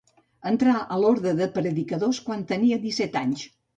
Entrà a l'Orde de Predicadors quan tenia disset anys.